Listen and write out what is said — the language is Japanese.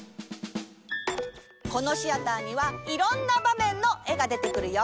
このシアターにはいろんなばめんのえがでてくるよ。